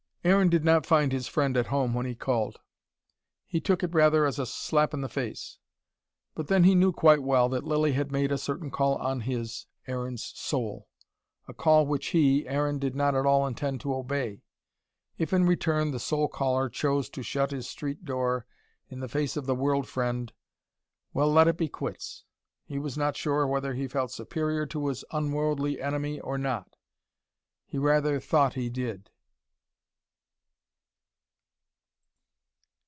Aaron did not find his friend at home when he called. He took it rather as a slap in the face. But then he knew quite well that Lilly had made a certain call on his, Aaron's soul: a call which he, Aaron, did not at all intend to obey. If in return the soul caller chose to shut his street door in the face of the world friend well, let it be quits. He was not sure whether he felt superior to his unworldly enemy or not. He rather thought he did.